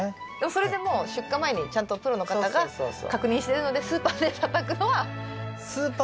それでもう出荷前にちゃんとプロの方が確認してるのでスーパーでたたくのは。